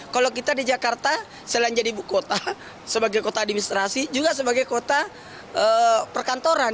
kalau kita di jakarta selain jadi ibu kota sebagai kota administrasi juga sebagai kota perkantoran